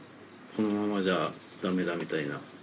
このままじゃダメだみたいな。